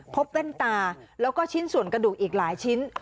แว่นตาแล้วก็ชิ้นส่วนกระดูกอีกหลายชิ้น